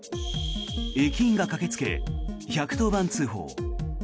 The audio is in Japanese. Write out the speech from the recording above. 駅員が駆けつけ１１０番通報。